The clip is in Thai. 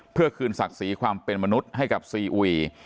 เพื่อคืนศักดิ์ศรีความเป็นมนุษย์ให้กับซีอุย